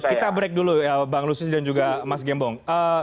kita break dulu bang lusius dan juga mas gembong